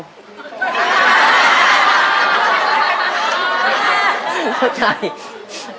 เข้าใจ